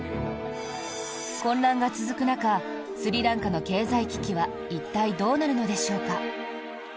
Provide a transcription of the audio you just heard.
混乱が続く中スリランカの経済危機は一体どうなるのでしょうか？